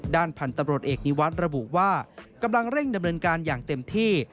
พันธุ์ตำรวจเอกนิวัฒน์ระบุว่ากำลังเร่งดำเนินการอย่างเต็มที่